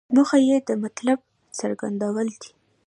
موخه یې د مطلب څرګندول دي.